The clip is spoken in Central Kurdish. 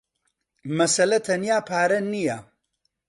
مەسەلە تەنیا پارە نییە.